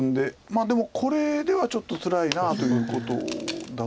まあでもこれではちょっとつらいなということだと思います。